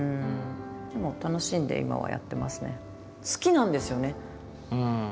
でも楽しんで今はやってますね。